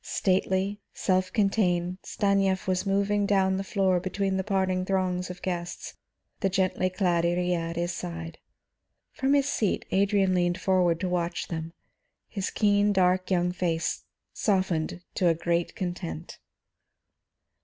Stately, self contained, Stanief was moving down the floor between the parting throngs of guests, the gently glad Iría at his side. From his seat Adrian leaned forward to watch them, his keen, dark young face softened to a great content.